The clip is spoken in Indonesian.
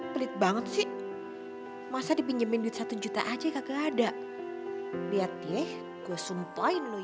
pelit banget sih masa dipinjemin duit satu juta aja gak ada biar deh gue sumpahin lu ya